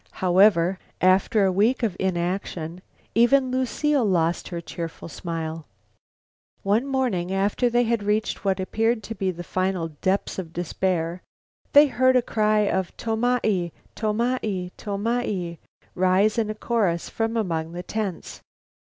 However, after a week of inaction, even Lucile lost her cheerful smile. One morning, after they had reached what appeared to be the final depths of despair, they heard a cry of, "Tomai! Tomai! Tomai," rise in a chorus from among the tents.